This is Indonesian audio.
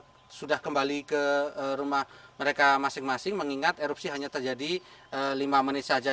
karena sudah kembali ke rumah mereka masing masing mengingat erupsi hanya terjadi lima menit saja